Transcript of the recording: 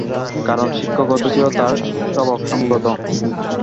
কারণ শিক্ষকতা ছিল তাঁর স্বভাবসংগত।